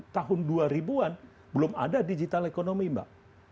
tahun dua ribu an belum ada digital ekonomi mbak